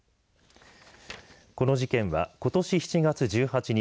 この事件は、ことし７月１８日